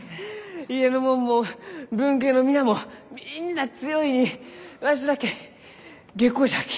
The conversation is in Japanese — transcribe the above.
家の者も分家の皆もみんなあ強いにわしだけ下戸じゃき。